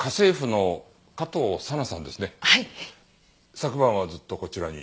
昨晩はずっとこちらに？